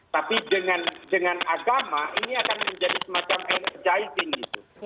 tapi dengan agama ini akan menjadi semacam energizing